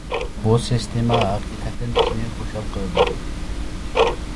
بۇ سىستېما ھەقىقەتەن كىشىنى خۇشال قىلىدۇ.